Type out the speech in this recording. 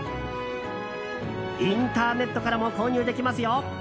インターネットからも購入できますよ。